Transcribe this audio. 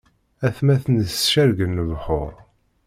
Atmaten-is cergen lebḥuṛ.